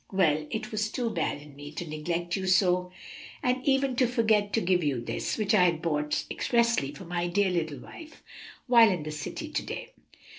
well, it was too bad in me to neglect you so, and even to forget to give you this, which I bought expressly for my dear little wife, while in the city to day."